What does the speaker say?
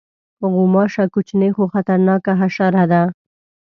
غوماشه کوچنۍ خو خطرناکه حشره ده.